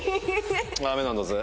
ダメなんだぜ。